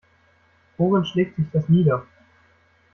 Worin schlägt sich das nieder?